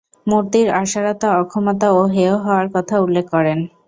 মূর্তির অসারতা, অক্ষমতা ও হেয় হওয়ার কথা উল্লেখ করেন।